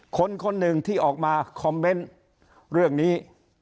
คนหนึ่งที่ออกมาคอมเมนต์เรื่องนี้